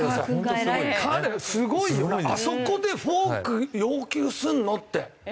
あそこでフォーク要求するの？って。